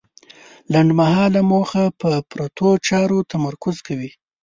لنډمهاله موخه په پرتو چارو تمرکز کوي.